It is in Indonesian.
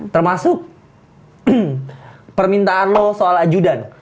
termasuk permintaan lo soal ajudan